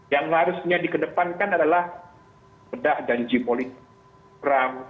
yang harusnya dikedepankan adalah bedah dan jimolik